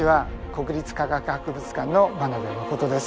国立科学博物館の真鍋真です。